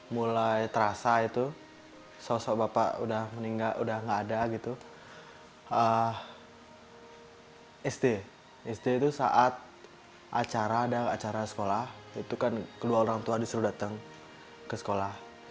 mulai terasa itu sosok bapak sudah meninggal sudah tidak ada